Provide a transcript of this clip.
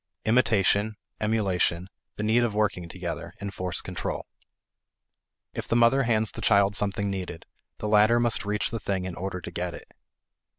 Imitation, emulation, the need of working together, enforce control. If the mother hands the child something needed, the latter must reach the thing in order to get it.